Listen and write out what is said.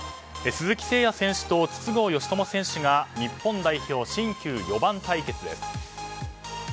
鈴木誠也選手と筒香嘉智選手が日本代表、新旧４番対決です。